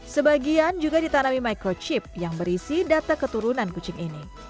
sebagian juga ditanami microchip yang berisi data keturunan kucing ini